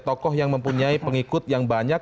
tokoh yang mempunyai pengikut yang banyak